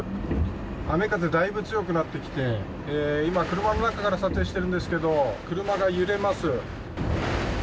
雨風だいぶ強くなってきて今、車の中から撮影しているんですけど車が揺れます。